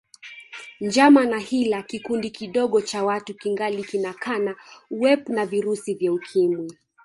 Njama na hila kikundi kidogo cha watu kingali kinakana uwep wa virusi vya Ukimwi